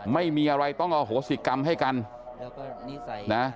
ไม่มีอะไรต้องอโหสิกรรมให้กันนะ